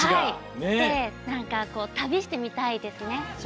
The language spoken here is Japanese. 旅してみたいですね。